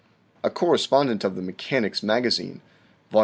A correspondent of the " Mechanic's Magazine " (Vol.